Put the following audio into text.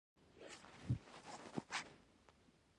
ځکه چې دا امکان نلري چې ته ورباندې پوه شې